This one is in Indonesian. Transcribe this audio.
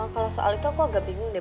kalau soal itu aku agak bingung deh